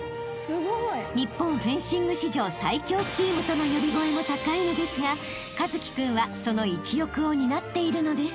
［日本フェンシング史上最強チームとの呼び声も高いのですが一輝君はその一翼を担っているのです］